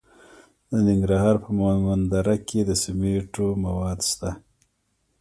د ننګرهار په مومند دره کې د سمنټو مواد شته.